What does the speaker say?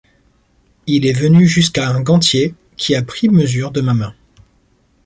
Il est venu jusqu’à un gantier qui a pris mesure de ma main.